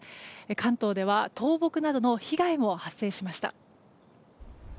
関東では、倒木などの被害も発生しました。